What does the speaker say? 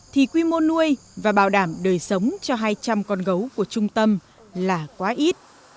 thì quy mô nuôi và bảo đảm đời sống cho hai trăm linh con gấu của trung tâm là quá ít